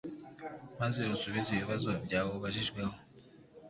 maze usubize ibibazo byawubajijweho.